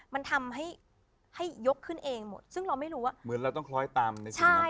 มันทำให้ให้ยกขึ้นเองหมดซึ่งเราไม่รู้ว่าเหมือนเราต้องคล้อยตามในสิ่งนั้น